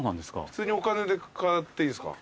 普通にお金で買っていいですか？